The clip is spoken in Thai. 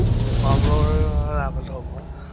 ความรู้ระดับประถม